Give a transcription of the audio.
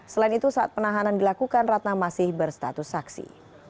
selain itu saat penahanan dilakukan ratna masih berstatus saksi